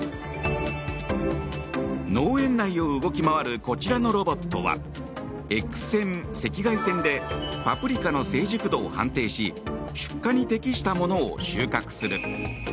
農園内を動き回るこちらのロボットはＸ線、赤外線でパプリカの成熟度を判定し出荷に適したものを収穫する。